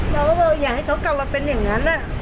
เราก็บอกอย่าให้เขากลับมาเป็นอย่างนั้น